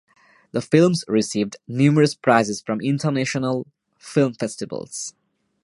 The films received numerous prizes from international film festivals.